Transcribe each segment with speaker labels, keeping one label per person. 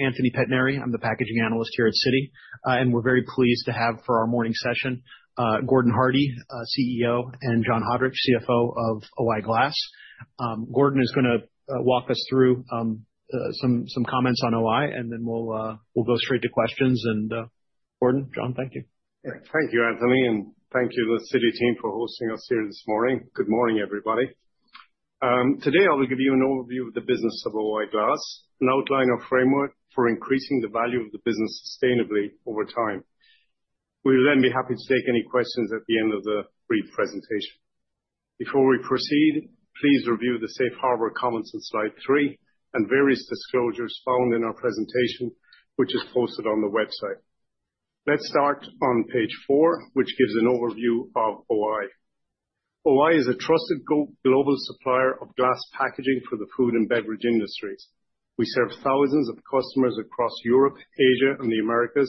Speaker 1: Anthony Pettinari, I'm the Packaging Analyst here at Citi, and we're very pleased to have for our morning session Gordon Hardie, CEO, and John Haudrich, CFO of O-I Glass. Gordon is going to walk us through some comments on O-I, and then we'll go straight to questions, and Gordon, John, thank you.
Speaker 2: Thank you, Anthony, and thank you to the Citi team for hosting us here this morning. Good morning, everybody. Today, I'll give you an overview of the business of O-I Glass, an outline of framework for increasing the value of the business sustainably over time. We'll then be happy to take any questions at the end of the brief presentation. Before we proceed, please review the safe harbor comments on slide three and various disclosures found in our presentation, which is posted on the website. Let's start on page four, which gives an overview of O-I. O-I is a trusted global supplier of glass packaging for the food and beverage industries. We serve thousands of customers across Europe, Asia, and the Americas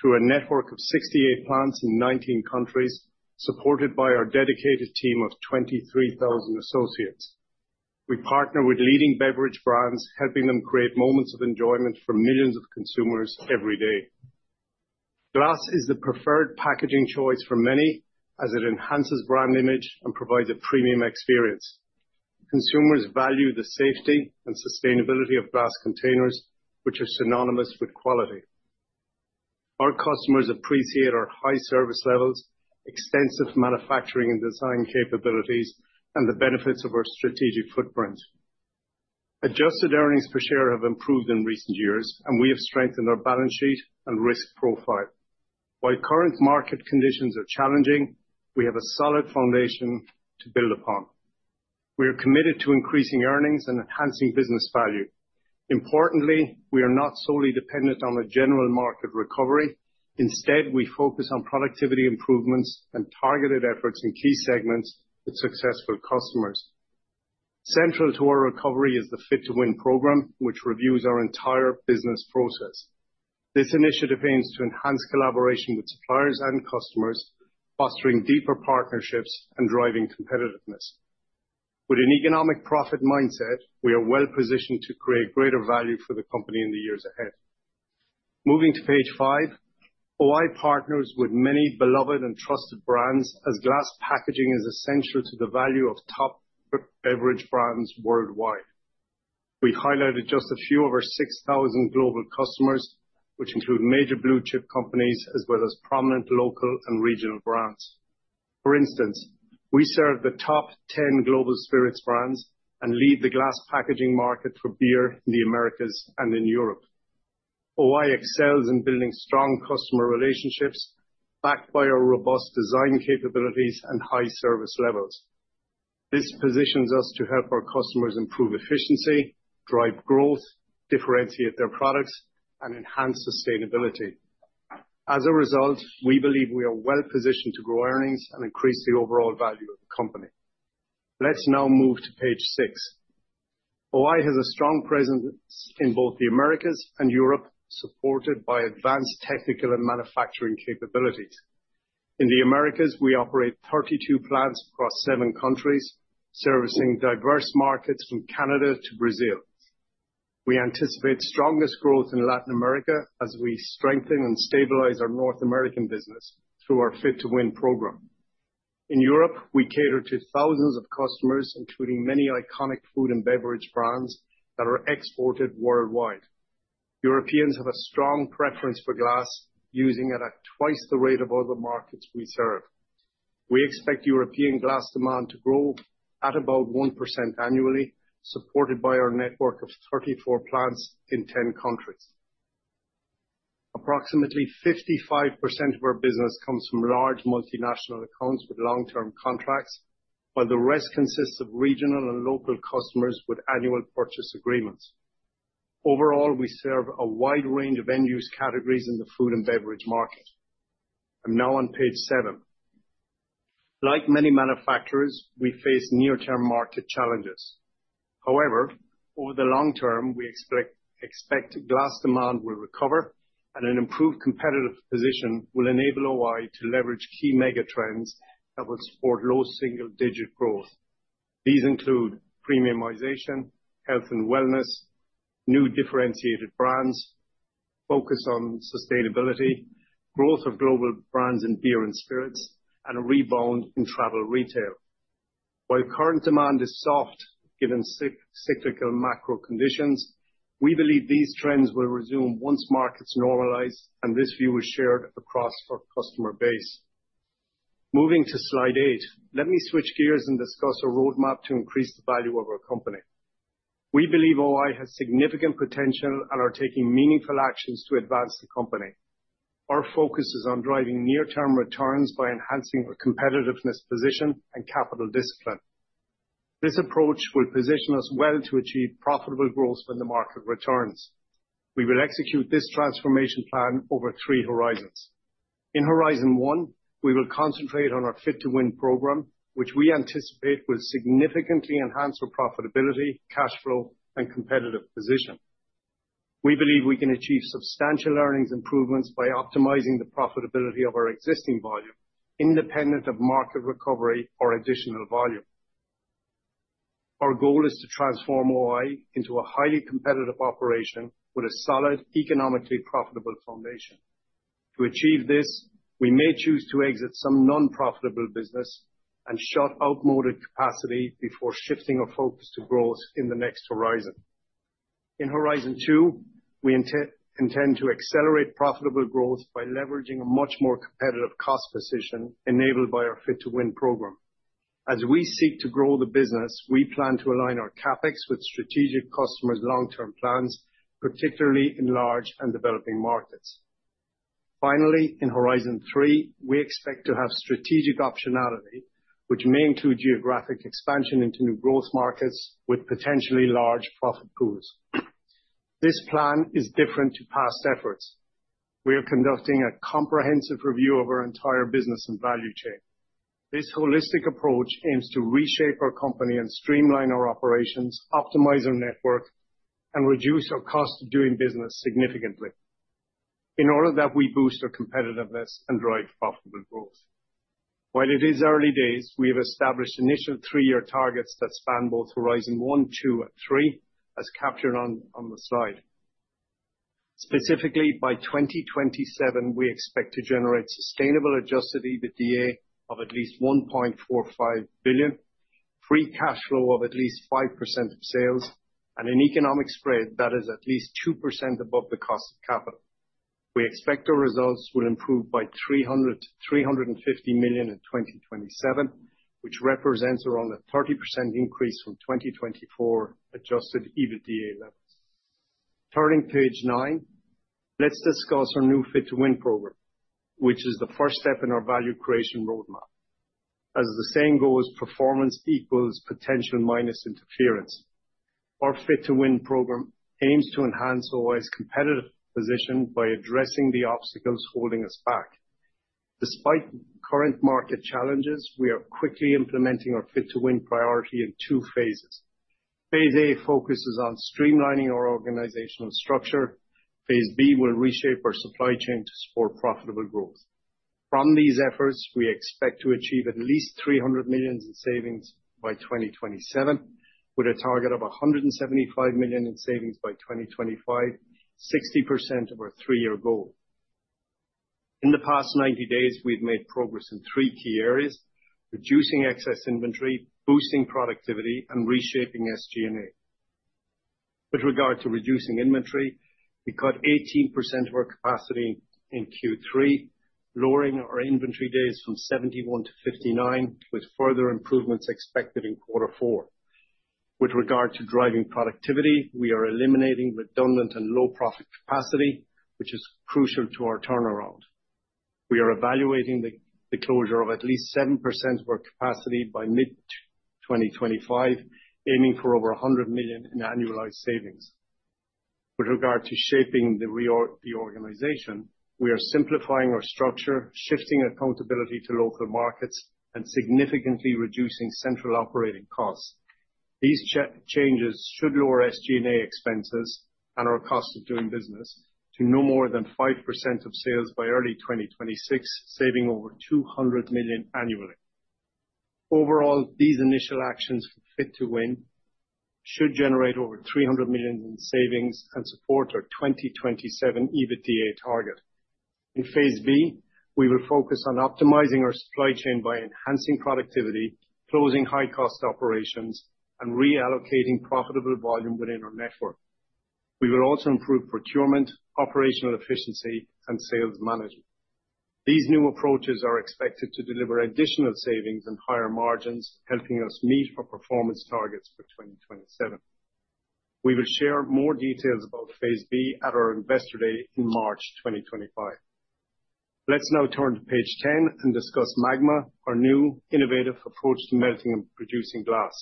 Speaker 2: through a network of 68 plants in 19 countries, supported by our dedicated team of 23,000 associates. We partner with leading beverage brands, helping them create moments of enjoyment for millions of consumers every day. Glass is the preferred packaging choice for many, as it enhances brand image and provides a premium experience. Consumers value the safety and sustainability of glass containers, which are synonymous with quality. Our customers appreciate our high service levels, extensive manufacturing and design capabilities, and the benefits of our strategic footprint. Adjusted earnings per share have improved in recent years, and we have strengthened our balance sheet and risk profile. While current market conditions are challenging, we have a solid foundation to build upon. We are committed to increasing earnings and enhancing business value. Importantly, we are not solely dependent on a general market recovery. Instead, we focus on productivity improvements and targeted efforts in key segments with successful customers. Central to our recovery is the Fit to Win program, which reviews our entire business process. This initiative aims to enhance collaboration with suppliers and customers, fostering deeper partnerships and driving competitiveness. With an economic profit mindset, we are well positioned to create greater value for the company in the years ahead. Moving to page five, O-I partners with many beloved and trusted brands, as glass packaging is essential to the value of top beverage brands worldwide. We've highlighted just a few of our 6,000 global customers, which include major blue chip companies as well as prominent local and regional brands. For instance, we serve the top 10 global spirits brands and lead the glass packaging market for beer in the Americas and in Europe. O-I excels in building strong customer relationships, backed by our robust design capabilities and high service levels. This positions us to help our customers improve efficiency, drive growth, differentiate their products, and enhance sustainability. As a result, we believe we are well positioned to grow earnings and increase the overall value of the company. Let's now move to page six. O-I has a strong presence in both the Americas and Europe, supported by advanced technical and manufacturing capabilities. In the Americas, we operate 32 plants across seven countries, servicing diverse markets from Canada to Brazil. We anticipate strongest growth in Latin America as we strengthen and stabilize our North American business through our Fit to Win program. In Europe, we cater to thousands of customers, including many iconic food and beverage brands that are exported worldwide. Europeans have a strong preference for glass, using it at twice the rate of other markets we serve. We expect European glass demand to grow at about 1% annually, supported by our network of 34 plants in 10 countries. Approximately 55% of our business comes from large multinational accounts with long-term contracts, while the rest consists of regional and local customers with annual purchase agreements. Overall, we serve a wide range of end-use categories in the food and beverage market. I'm now on page seven. Like many manufacturers, we face near-term market challenges. However, over the long term, we expect glass demand will recover, and an improved competitive position will enable O-I to leverage key mega trends that will support low single-digit growth. These include premiumization, health and wellness, new differentiated brands, focus on sustainability, growth of global brands in beer and spirits, and a rebound in travel retail. While current demand is soft given cyclical macro conditions, we believe these trends will resume once markets normalize, and this view is shared across our customer base. Moving to slide eight, let me switch gears and discuss a roadmap to increase the value of our company. We believe O-I has significant potential and are taking meaningful actions to advance the company. Our focus is on driving near-term returns by enhancing our competitiveness position and capital discipline. This approach will position us well to achieve profitable growth when the market returns. We will execute this transformation plan over three horizons. In Horizon 1, we will concentrate on our Fit to Win program, which we anticipate will significantly enhance our profitability, cash flow, and competitive position. We believe we can achieve substantial earnings improvements by optimizing the profitability of our existing volume, independent of market recovery or additional volume. Our goal is to transform O-I into a highly competitive operation with a solid economically profitable foundation. To achieve this, we may choose to exit some non-profitable business and shut outmoded capacity before shifting our focus to growth in the next horizon. In Horizon 2, we intend to accelerate profitable growth by leveraging a much more competitive cost position enabled by our Fit to Win program. As we seek to grow the business, we plan to align our CapEx with strategic customers' long-term plans, particularly in large and developing markets. Finally, in Horizon 3, we expect to have strategic optionality, which may include geographic expansion into new growth markets with potentially large profit pools. This plan is different from past efforts. We are conducting a comprehensive review of our entire business and value chain. This holistic approach aims to reshape our company and streamline our operations, optimize our network, and reduce our cost of doing business significantly. In order that we boost our competitiveness and drive profitable growth. While it is early days, we have established initial three-year targets that span both Horizon 1, 2, and H, as captured on the slide. Specifically, by 2027, we expect to generate sustainable adjusted EBITDA of at least $1.45 billion, free cash flow of at least 5% of sales, and an economic spread that is at least 2% above the cost of capital. We expect our results will improve by $300 to $350 million in 2027, which represents around a 30% increase from 2024 adjusted EBITDA levels. Turning to page nine, let's discuss our new Fit to Win program, which is the first step in our value creation roadmap. As the saying goes, performance equals potential minus interference. Our Fit to Win program aims to enhance O-I's competitive position by addressing the obstacles holding us back. Despite current market challenges, we are quickly implementing our Fit to Win priority in two phases. Phase A focuses on streamlining our organizational structure. Phase B will reshape our supply chain to support profitable growth. From these efforts, we expect to achieve at least $300 million in savings by 2027, with a target of $175 million in savings by 2025, 60% of our three-year goal. In the past 90 days, we've made progress in three key areas: reducing excess inventory, boosting productivity, and reshaping SG&A. With regard to reducing inventory, we cut 18% of our capacity in Q3, lowering our inventory days from 71 to 59, with further improvements expected in quarter four. With regard to driving productivity, we are eliminating redundant and low-profit capacity, which is crucial to our turnaround. We are evaluating the closure of at least 7% of our capacity by mid-2025, aiming for over $100 million in annualized savings. With regard to shaping the reorganization, we are simplifying our structure, shifting accountability to local markets, and significantly reducing central operating costs. These changes should lower SG&A expenses and our cost of doing business to no more than 5% of sales by early 2026, saving over $200 million annually. Overall, these initial actions for Fit to Win should generate over $300 million in savings and support our 2027 EBITDA target. In phase B, we will focus on optimizing our supply chain by enhancing productivity, closing high-cost operations, and reallocating profitable volume within our network. We will also improve procurement, operational efficiency, and sales management. These new approaches are expected to deliver additional savings and higher margins, helping us meet our performance targets for 2027. We will share more details about phase B at our investor day in March 2025. Let's now turn to page 10 and discuss MAGMA, our new innovative approach to melting and producing glass.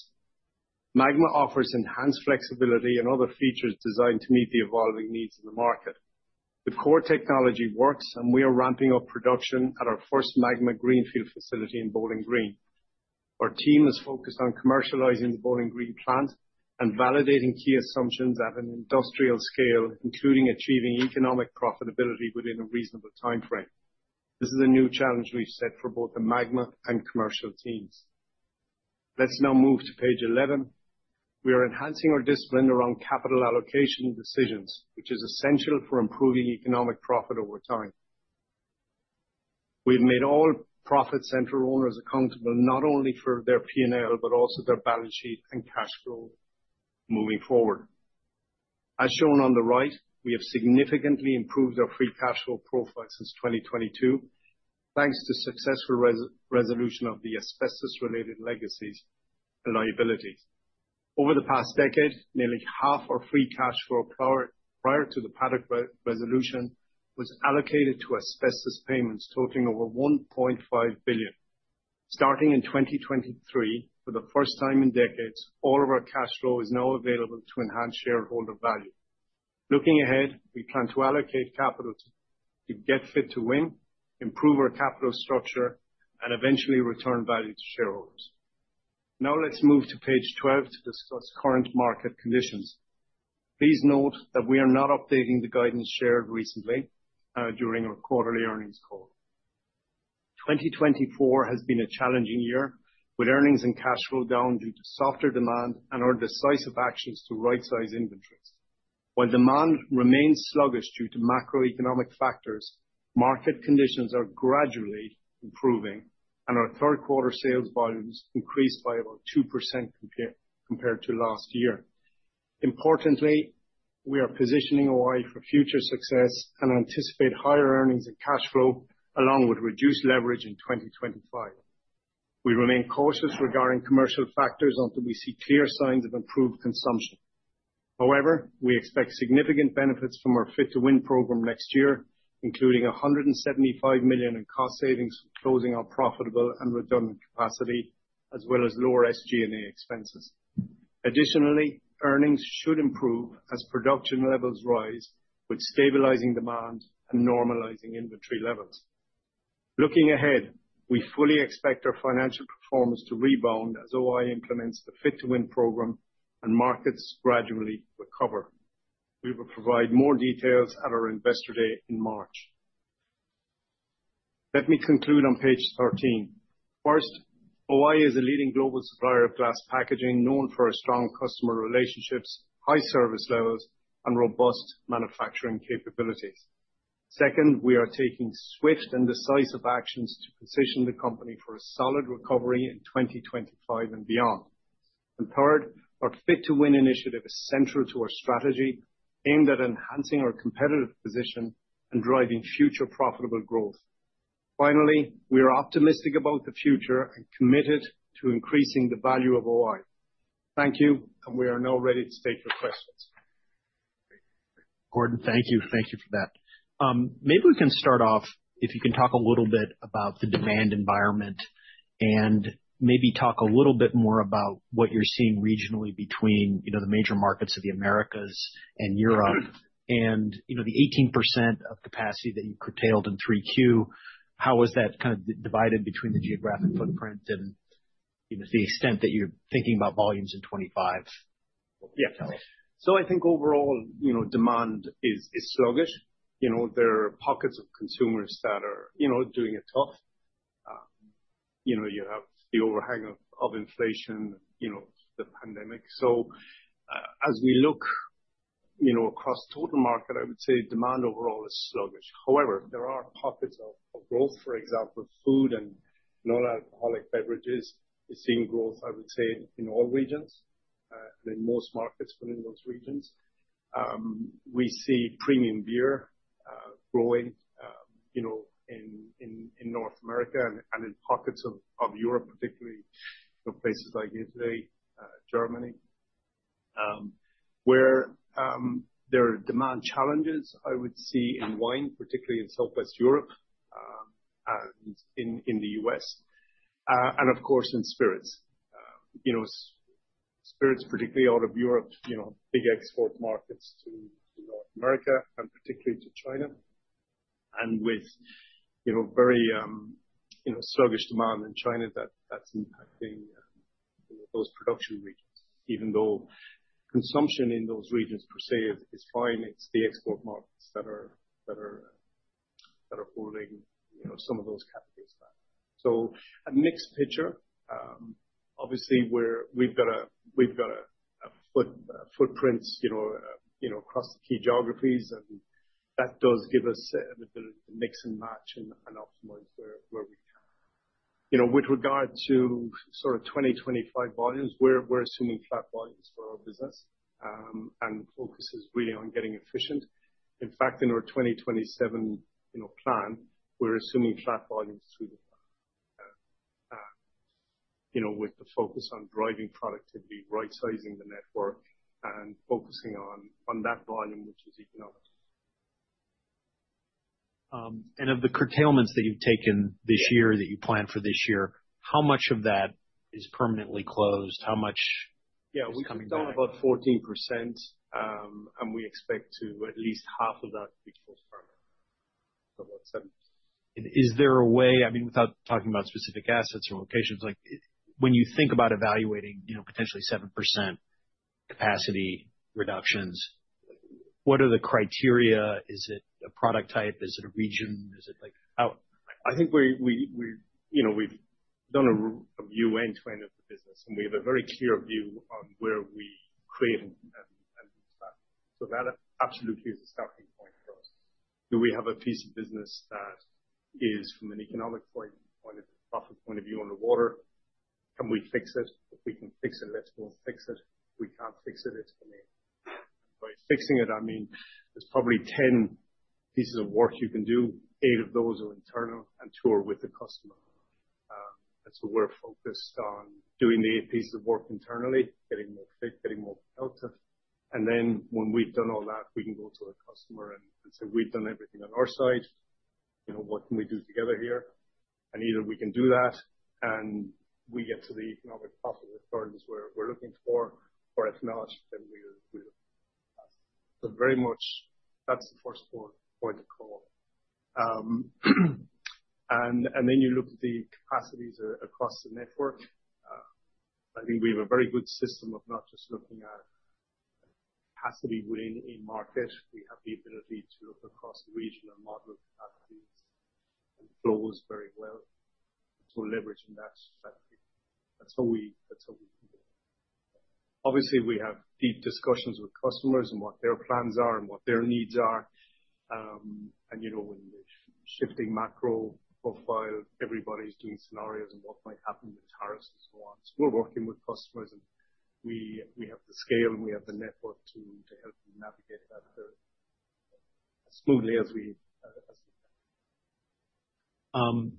Speaker 2: MAGMA offers enhanced flexibility and other features designed to meet the evolving needs in the market. The core technology works, and we are ramping up production at our first MAGMA Greenfield facility in Bowling Green. Our team is focused on commercializing the Bowling Green plant and validating key assumptions at an industrial scale, including achieving economic profitability within a reasonable timeframe. This is a new challenge we've set for both the MAGMA and commercial teams. Let's now move to page 11. We are enhancing our discipline around capital allocation decisions, which is essential for improving economic profit over time. We've made all profit-centered owners accountable not only for their P&L, but also their balance sheet and cash flow moving forward. As shown on the right, we have significantly improved our free cash flow profile since 2022, thanks to successful resolution of the asbestos-related legacies and liabilities. Over the past decade, nearly half our free cash flow prior to the Paddock resolution was allocated to asbestos payments totaling over $1.5 billion. Starting in 2023, for the first time in decades, all of our cash flow is now available to enhance shareholder value. Looking ahead, we plan to allocate capital to get Fit to Win, improve our capital structure, and eventually return value to shareholders. Now let's move to page 12 to discuss current market conditions. Please note that we are not updating the guidance shared recently during our quarterly earnings call. 2024 has been a challenging year, with earnings and cash flow down due to softer demand and our decisive actions to right-size inventories. While demand remains sluggish due to macroeconomic factors, market conditions are gradually improving, and our third-quarter sales volumes increased by about 2% compared to last year. Importantly, we are positioning O-I for future success and anticipate higher earnings and cash flow along with reduced leverage in 2025. We remain cautious regarding commercial factors until we see clear signs of improved consumption. However, we expect significant benefits from our Fit to Win program next year, including $175 million in cost savings from closing unprofitable and redundant capacity, as well as lower SG&A expenses. Additionally, earnings should improve as production levels rise, with stabilizing demand and normalizing inventory levels. Looking ahead, we fully expect our financial performance to rebound as O-I implements the Fit to Win program and markets gradually recover. We will provide more details at our investor day in March. Let me conclude on page 13. First, O-I is a leading global supplier of glass packaging known for our strong customer relationships, high service levels, and robust manufacturing capabilities. Second, we are taking swift and decisive actions to position the company for a solid recovery in 2025 and beyond. And third, our Fit to Win initiative is central to our strategy aimed at enhancing our competitive position and driving future profitable growth. Finally, we are optimistic about the future and committed to increasing the value of O-I. Thank you, and we are now ready to take your questions.
Speaker 1: Gordon, thank you. Thank you for that. Maybe we can start off, if you can talk a little bit about the demand environment and maybe talk a little bit more about what you're seeing regionally between the major markets of the Americas and Europe and the 18% of capacity that you curtailed in 3Q. How is that kind of divided between the geographic footprint and the extent that you're thinking about volumes in 2025?
Speaker 2: Yeah. So I think overall demand is sluggish. There are pockets of consumers that are doing it tough. You have the overhang of inflation, the pandemic. So as we look across total market, I would say demand overall is sluggish. However, there are pockets of growth. For example, food and non-alcoholic beverages are seeing growth, I would say, in all regions and in most markets within those regions. We see premium beer growing in North America and in pockets of Europe, particularly places like Italy, Germany, where there are demand challenges. I would see, in wine, particularly in Southwest Europe and in the U.S., and of course in spirits. Spirits, particularly out of Europe, big export markets to North America and particularly to China. And with very sluggish demand in China, that's impacting those production regions, even though consumption in those regions per se is fine. It's the export markets that are holding some of those categories back, so a mixed picture. Obviously, we've got footprints across the key geographies, and that does give us an ability to mix and match and optimize where we can. With regard to sort of 2025 volumes, we're assuming flat volumes for our business and focus is really on getting efficient. In fact, in our 2027 plan, we're assuming flat volumes through the plan with the focus on driving productivity, right-sizing the network, and focusing on that volume, which is economic. And of the curtailments that you've taken this year that you plan for this year, how much of that is permanently closed? How much is coming down? Yeah, we've cut down about 14%, and we expect at least half of that to be permanent.
Speaker 1: Is there a way, I mean, without talking about specific assets or locations, when you think about evaluating potentially 7% capacity reductions, what are the criteria? Is it a product type? Is it a region?
Speaker 2: I think we've done an end-to-end view of the business, and we have a very clear view on where we create and destroy. So that absolutely is a starting point for us. Do we have a piece of business that is, from an economic point of view, profit point of view underwater? Can we fix it? If we can fix it, let's go and fix it. If we can't fix it, it's fine. By fixing it, I mean, there's probably 10 pieces of work you can do. Eight of those are internal and two are with the customer. And so we're focused on doing the eight pieces of work internally, getting more fit, getting more productive. And then when we've done all that, we can go to the customer and say, "We've done everything on our side. What can we do together here?" And either we can do that and we get to the economic profit returns we're looking for, or if not, then we'll pass. So very much, that's the first point of call. Then you look at the capacities across the network. I think we have a very good system of not just looking at capacity within a market. We have the ability to look across the region and model capacities and flows very well. So leveraging that strategy. That's how we do it. Obviously, we have deep discussions with customers and what their plans are and what their needs are. And when we're shifting macro profile, everybody's doing scenarios and what might happen with tariffs and so on. So we're working with customers, and we have the scale and we have the network to help you navigate that as smoothly as we can.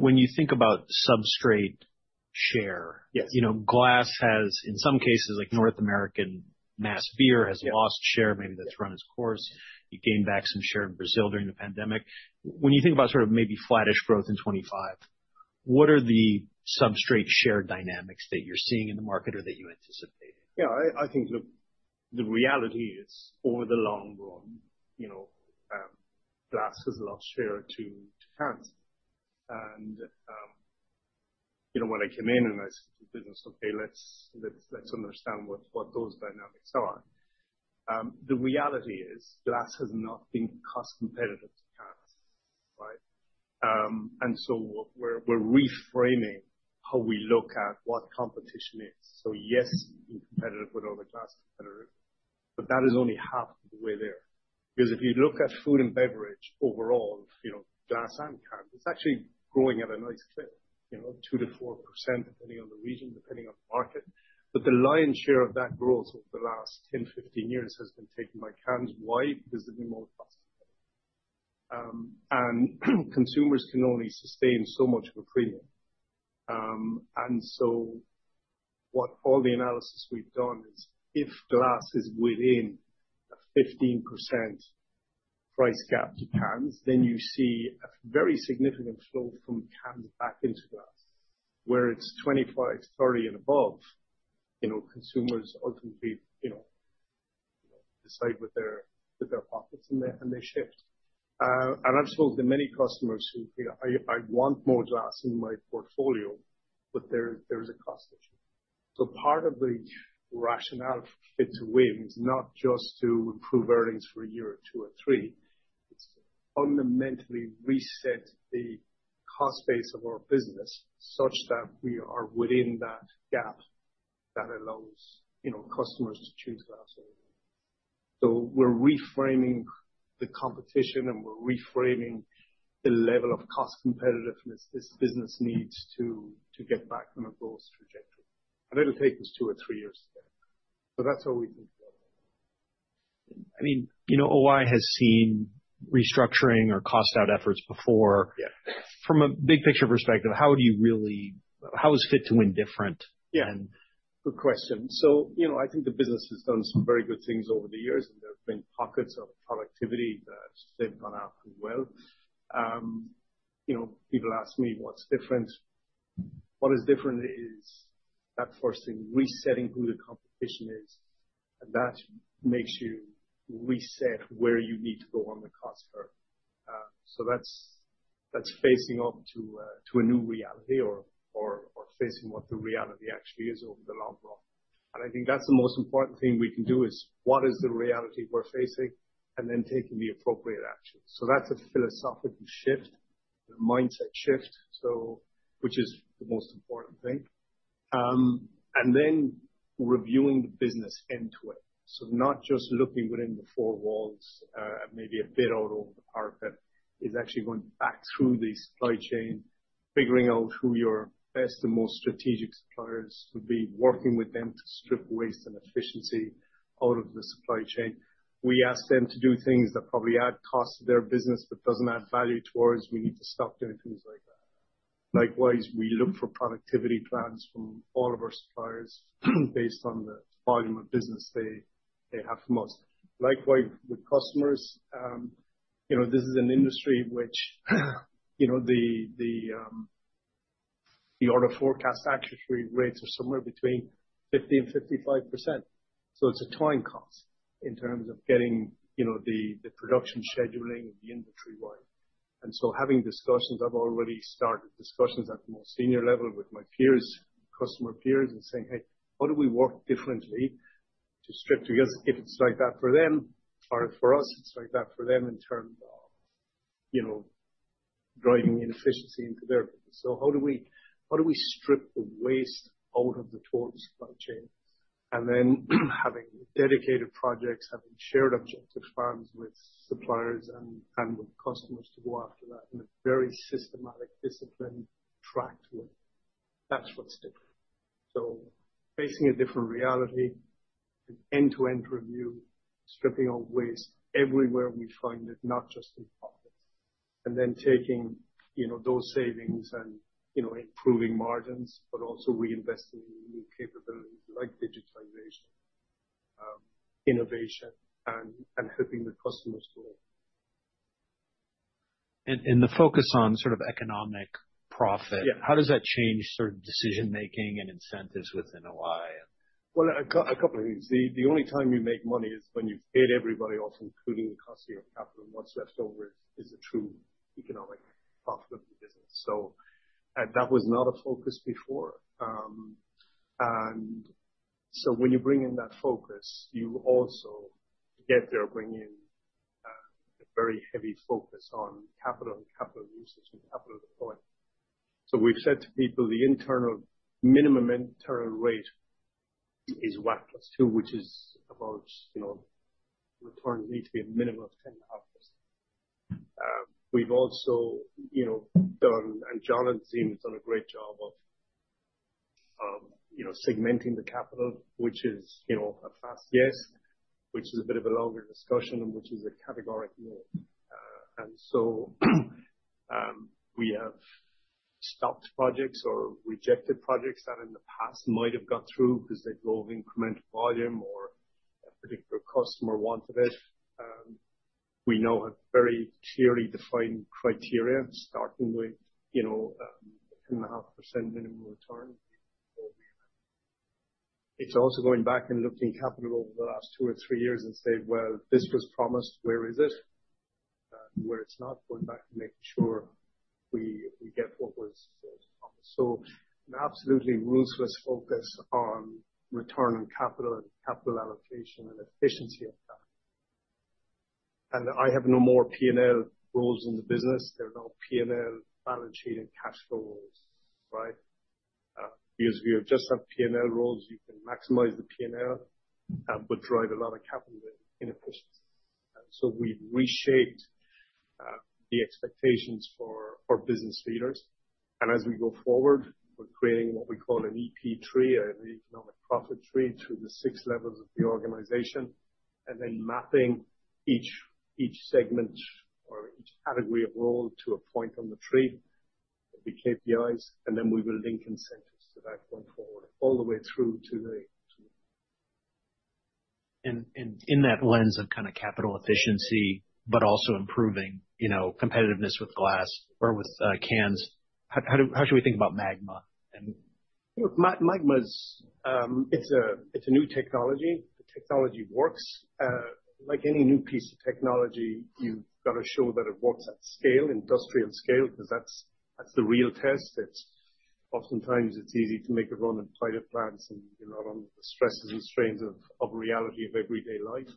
Speaker 1: When you think about substrate share, glass has, in some cases, like North American mass beer has lost share. Maybe that's run its course. You gained back some share in Brazil during the pandemic. When you think about sort of maybe flattish growth in 2025, what are the substrate share dynamics that you're seeing in the market or that you anticipate?
Speaker 2: Yeah, I think the reality is, over the long run, glass has lost share to cans, and when I came in and I said to the business, "Okay, let's understand what those dynamics are." The reality is glass has not been cost competitive to cans, right? And so we're reframing how we look at what competition is, so yes, being competitive with other glass competitors, but that is only half of the way there, because if you look at food and beverage overall, glass and cans, it's actually growing at a nice clip, 2%-4%, depending on the region, depending on the market, but the lion's share of that growth over the last 10, 15 years has been taken by cans. Why? Because they're the most cost-effective. And consumers can only sustain so much of a premium. And so what all the analysis we've done is, if glass is within a 15% price gap to cans, then you see a very significant flow from cans back into glass. Where it's 25%, 30%, and above, consumers ultimately decide with their pockets and they shift. And I've spoken to many customers who say, "I want more glass in my portfolio, but there's a cost issue." So part of the rationale for Fit to Win is not just to improve earnings for a year or two or three. It's to fundamentally reset the cost base of our business such that we are within that gap that allows customers to choose glass. So we're reframing the competition, and we're reframing the level of cost competitiveness this business needs to get back on a growth trajectory. It'll take us two or three years to get there. So that's how we think about it.
Speaker 1: I mean, O-I has seen restructuring or cost-out efforts before. From a big picture perspective, how do you really, how is Fit to Win different?
Speaker 2: Yeah, good question. So I think the business has done some very good things over the years, and there have been pockets of productivity that they've gone out pretty well. People ask me, "What's different?" What is different is that first thing, resetting who the competition is. That makes you reset where you need to go on the cost curve. So that's facing up to a new reality or facing what the reality actually is over the long run. I think that's the most important thing we can do is, what is the reality we're facing? Then taking the appropriate action. That's a philosophical shift, a mindset shift, which is the most important thing. And then reviewing the business end-to-end. Not just looking within the four walls and maybe a bit out over the perimeter is actually going back through the supply chain, figuring out who your best and most strategic suppliers would be, working with them to strip waste and inefficiency out of the supply chain. We ask them to do things that probably add cost to their business but don't add value to ours. We need to stop doing things like that. Likewise, we look for productivity plans from all of our suppliers based on the volume of business we have with them. Likewise, with customers, this is an industry which the overall forecast accuracy rates are somewhere between 50% and 55%. It's a time cost in terms of getting the production scheduling and the inventory right. Having discussions, I've already started discussions at the most senior level with my customer peers and saying, "Hey, how do we work differently to strip?" Because if it's like that for them, as far as for us, it's like that for them in terms of driving inefficiency into their business. How do we strip the waste out of the total supply chain? Having dedicated projects, having shared objective funds with suppliers and with customers to go after that in a very systematic, disciplined track to it. That's what's different. Facing a different reality, an end-to-end review, stripping out waste everywhere we find it, not just in pockets. Taking those savings and improving margins, but also reinvesting in new capabilities like digitization, innovation, and helping the customers grow.
Speaker 1: The focus on sort of economic profit, how does that change sort of decision-making and incentives within O-I?
Speaker 2: A couple of things. The only time you make money is when you've paid everybody off, including the cost of your capital. What's left over is the true economic profit of the business. That was not a focus before. When you bring in that focus, you also get there bringing in a very heavy focus on capital and capital usage and capital deployment. We've said to people, "The minimum internal rate is WACC plus two," which is about returns need to be a minimum of 10 out of 10. We've also done, and John and team have done a great job of segmenting the capital, which is a fast yes, which is a bit of a longer discussion, and which is a categorical no, and so we have stopped projects or rejected projects that in the past might have got through because they drove incremental volume or a particular customer wanted it. We now have very clearly defined criteria, starting with 10.5% minimum return. It's also going back and looking at capital over the last two or three years and saying, "Well, this was promised. Where is it? Where it's not?" Going back and making sure we get what was promised, so an absolutely ruthless focus on return on capital and capital allocation and efficiency of that, and I have no more P&L roles in the business. There are no P&L balance sheet and cash flow roles, right? Because if you just have P&L roles, you can maximize the P&L, but drive a lot of capital inefficiency. And so we've reshaped the expectations for business leaders. And as we go forward, we're creating what we call an EP tree, an economic profit tree through the six levels of the organization. And then mapping each segment or each category of role to a point on the tree, the KPIs, and then we will link incentives to that going forward, all the way through to the.
Speaker 1: And in that lens of kind of capital efficiency, but also improving competitiveness with glass or with cans, how should we think about MAGMA?
Speaker 2: And MAGMA is, it's a new technology. The technology works. Like any new piece of technology, you've got to show that it works at scale, industrial scale, because that's the real test. Oftentimes, it's easy to make it run in private plants and you're not under the stresses and strains of reality of everyday life.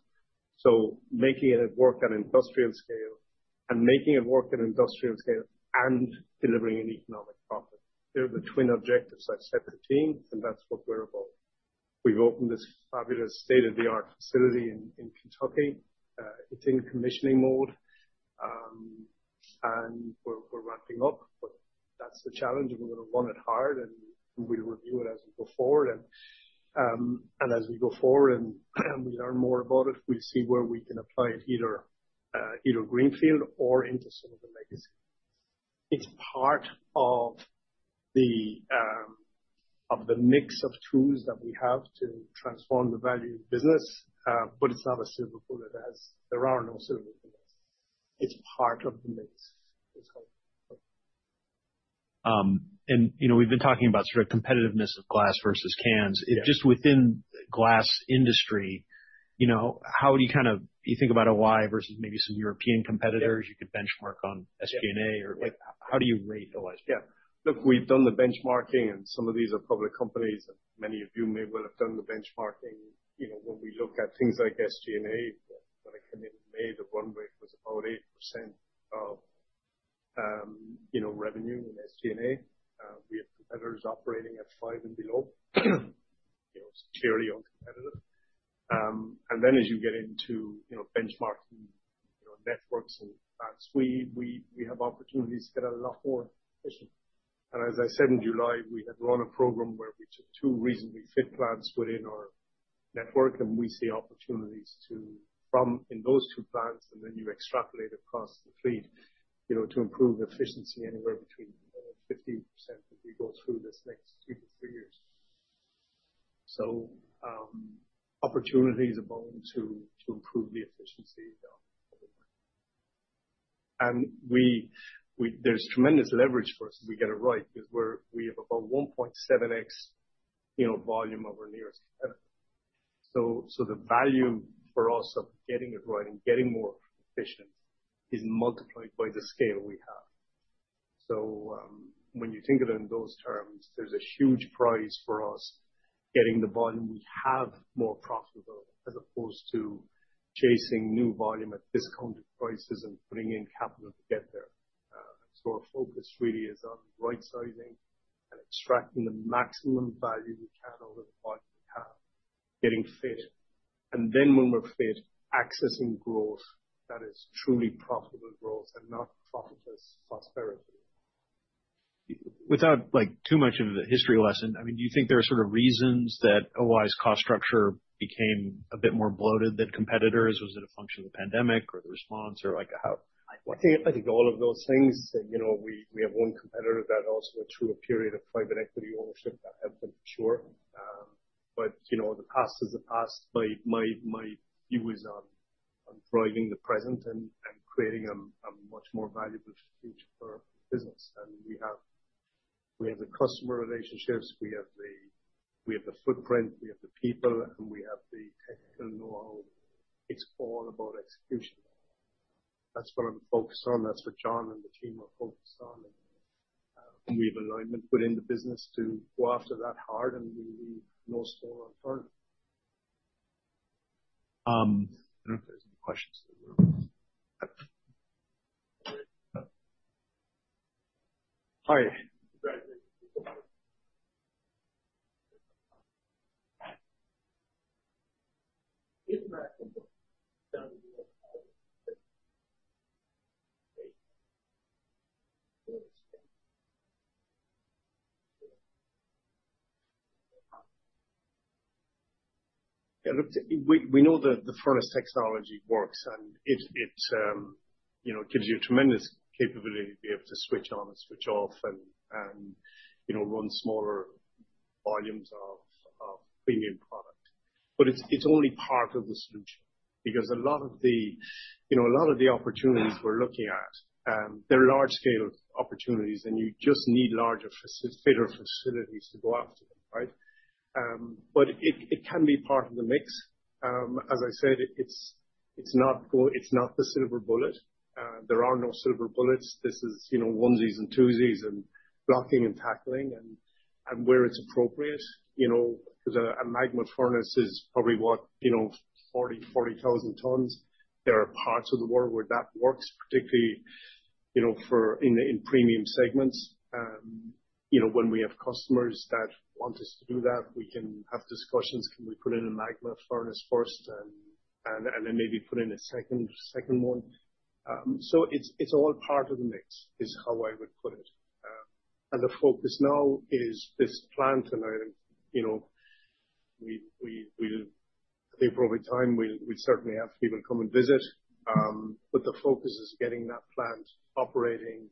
Speaker 2: So making it work at industrial scale and making it work at industrial scale and delivering an economic profit. They're the twin objectives I've set for team, and that's what we're about. We've opened this fabulous state-of-the-art facility in Kentucky. It's in commissioning mode, and we're ramping up. That's the challenge, and we're going to run it hard, and we'll review it as we go forward, and as we go forward and we learn more about it, we'll see where we can apply it either greenfield or into some of the legacy. It's part of the mix of tools that we have to transform the value of business, but it's not a silver bullet. There are no silver bullets. It's part of the mix.
Speaker 1: And we've been talking about sort of competitiveness of glass versus cans. Just within the glass industry, how do you kind of think about O-I versus maybe some European competitors? You could benchmark on SG&A or how do you rate O-I's?
Speaker 2: Yeah. Look, we've done the benchmarking, and some of these are public companies. Many of you may well have done the benchmarking. When we look at things like SG&A, when I came in in May, the runway was about 8% of revenue in SG&A. We have competitors operating at five and below. It's clearly uncompetitive. And then as you get into benchmarking networks and plants, we have opportunities to get a lot more efficient. And as I said in July, we had run a program where we took two reasonably fit plants within our network, and we see opportunities from those two plants, and then you extrapolate across the fleet to improve efficiency anywhere between 15% if we go through this next two to three years. So opportunities abound to improve the efficiency of the company. And there's tremendous leverage for us if we get it right because we have about 1.7x volume of our nearest competitor. So the value for us of getting it right and getting more efficient is multiplied by the scale we have. So when you think of it in those terms, there's a huge price for us getting the volume we have more profitable as opposed to chasing new volume at discounted prices and putting in capital to get there. Our focus really is on right-sizing and extracting the maximum value we can out of the volume we have, getting fit. And then when we're fit, accessing growth that is truly profitable growth and not profitless prosperity.
Speaker 1: Without too much of a history lesson, I mean, do you think there are sort of reasons that O-I's cost structure became a bit more bloated than competitors? Was it a function of the pandemic or the response or how?
Speaker 2: I think all of those things. We have one competitor that also went through a period of private equity ownership that hasn't been pursued. But the past is the past. My view is on driving the present and creating a much more valuable future for our business. And we have the customer relationships. We have the footprint. We have the people, and we have the technical know-how. It's all about execution. That's what I'm focused on. That's what John and the team are focused on, and we have alignment within the business to go after that hard and leave no stone unturned. I don't know if there's any questions. Hi. Yeah, look, we know that the furnace technology works, and it gives you tremendous capability to be able to switch on and switch off and run smaller volumes of premium product. But it's only part of the solution because a lot of the opportunities we're looking at, they're large-scale opportunities, and you just need larger fitter facilities to go after them, right? But it can be part of the mix. As I said, it's not the silver bullet. There are no silver bullets. This is onesies and twosies and blocking and tackling and where it's appropriate. Because a MAGMA furnace is probably what, 40,000 tons. There are parts of the world where that works, particularly in premium segments. When we have customers that want us to do that, we can have discussions.
Speaker 1: Can we put in a MAGMA furnace first and then maybe put in a second one?
Speaker 2: So it's all part of the mix, is how I would put it. And the focus now is this plant, and I think we'll, at the appropriate time, we'll certainly have people come and visit. But the focus is getting that plant operating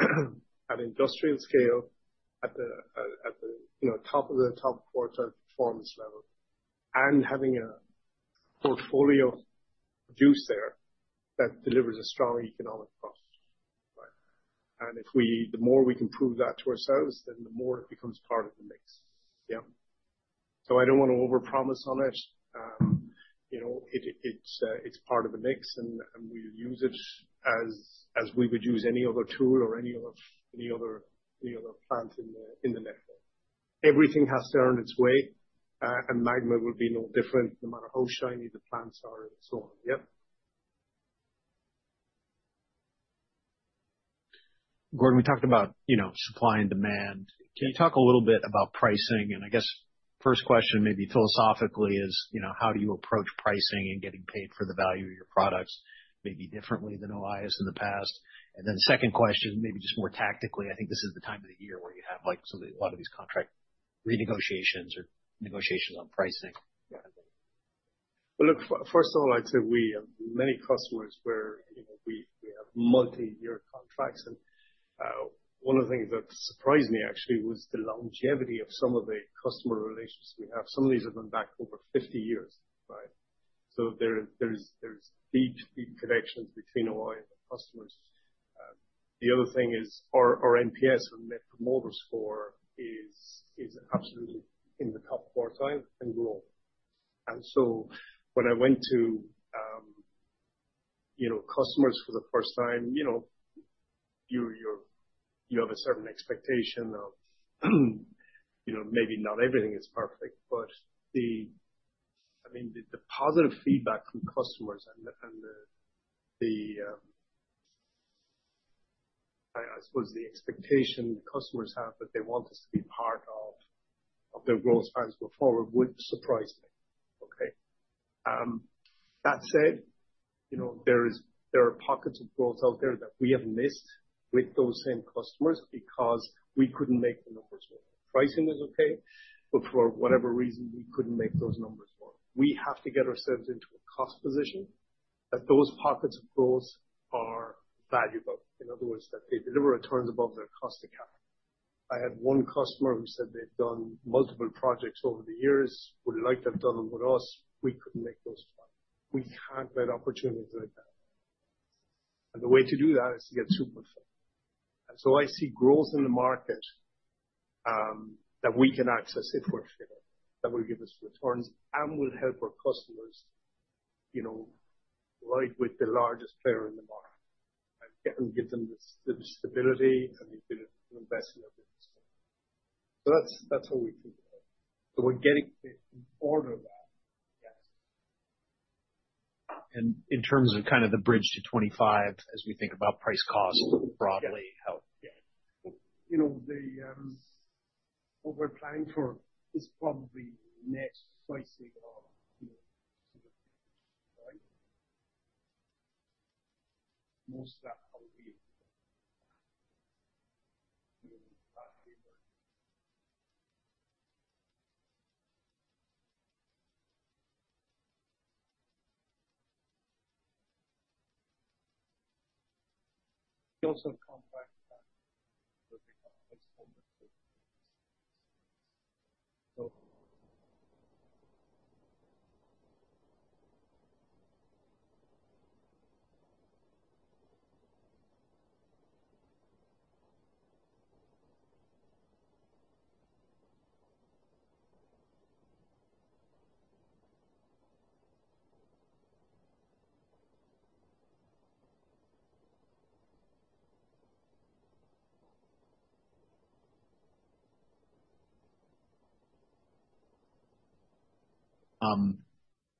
Speaker 2: at industrial scale, at the top of the top quartile performance level, and having a portfolio of products there that delivers a strong economic profit, right? And the more we can prove that to ourselves, then the more it becomes part of the mix.
Speaker 1: Yeah.
Speaker 2: So I don't want to overpromise on it. It's part of the mix, and we'll use it as we would use any other tool or any other plant in the network. Everything has to earn its weight, and MAGMA will be no different no matter how shiny the plants are and so on. Yep.
Speaker 1: Gordon, we talked about supply and demand. Can you talk a little bit about pricing? And I guess first question, maybe philosophically, is how do you approach pricing and getting paid for the value of your products maybe differently than O-I is in the past? And then second question, maybe just more tactically, I think this is the time of the year where you have a lot of these contract renegotiations or negotiations on pricing.
Speaker 2: Well, look, first of all, I'd say we have many customers where we have multi-year contracts. One of the things that surprised me, actually, was the longevity of some of the customer relations we have. Some of these have been back over 50 years, right? So there's deep, deep connections between O-I and the customers. The other thing is our NPS, our Net Promoter Score, is absolutely in the top quartile and low. And so when I went to customers for the first time, you have a certain expectation of maybe not everything is perfect, but I mean, the positive feedback from customers and the, I suppose, the expectation the customers have that they want us to be part of their growth plans going forward would surprise me, okay? That said, there are pockets of growth out there that we have missed with those same customers because we couldn't make the numbers work. Pricing is okay, but for whatever reason, we couldn't make those numbers work. We have to get ourselves into a cost position that those pockets of growth are valuable. In other words, that they deliver returns above their cost of capital. I had one customer who said they've done multiple projects over the years, would like to have done them with us. We couldn't make those too. We can't let opportunities like that, and the way to do that is to get super fit, and so I see growth in the market that we can access if we're fit, that will give us returns and will help our customers ride with the largest player in the market and give them the stability and the ability to invest in their business, so that's how we think about it, so we're getting in order for that.
Speaker 1: Yes. In terms of kind of the bridge to 25, as we think about price-cost broadly, how?
Speaker 2: Yeah. What we're planning for is probably net pricing of sort of. Right? Most of that probably is also a compact that we're going to export it to.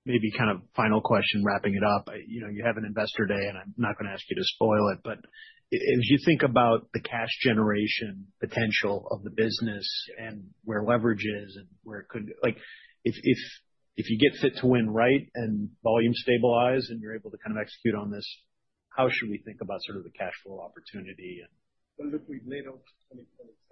Speaker 1: Maybe kind of final question, wrapping it up. You have an investor day, and I'm not going to ask you to spoil it, but as you think about the cash generation potential of the business and where leverage is and where it could, if you get Fit to Win right and volume stabilize and you're able to kind of execute on this, how should we think about sort of the cash flow opportunity and?
Speaker 2: Look, we've laid out 2027.